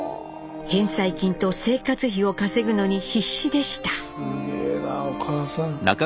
返済金と生活費を稼ぐのに必死でした。